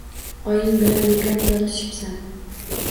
Oying bilan bekor tortishibsan